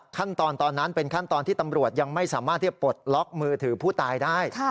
ขั้นตอนตอนนั้นเป็นขั้นตอนที่ตำรวจยังไม่สามารถที่จะปลดล็อกมือถือผู้ตายได้